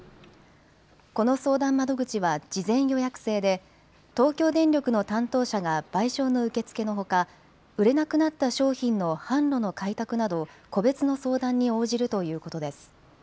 この相談窓口は事前予約制で東京電力の担当者が賠償の受け付けのほか、売れなくなった商品の販路の開拓など個別の相談に応じるということです。